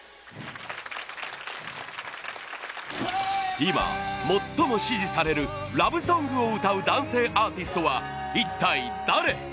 今、最も支持されるラブソングを歌う男性アーティストは一体誰？